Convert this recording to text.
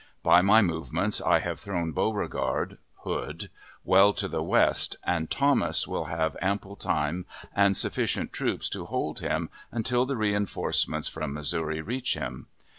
By my movements I have thrown Beauregard (Hood) well to the west, and Thomas will have ample time and sufficient troops to hold him until the reenforcements from Missouri reach him.